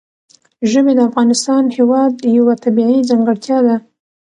ژبې د افغانستان هېواد یوه طبیعي ځانګړتیا ده.